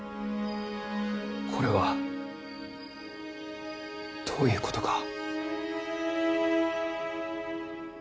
これはどういうことか。